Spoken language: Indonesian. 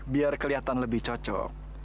biar kelihatan lebih cocok